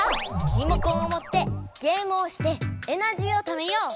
リモコンをもってゲームをしてエナジーをためよう！